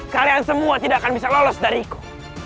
kalian semua tidak akan bisa lolos dari aku